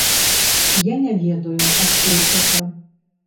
Я не ведаю, адкуль гэта.